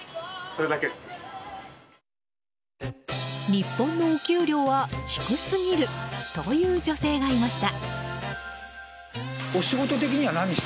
日本のお給料は低すぎるという女性がいました。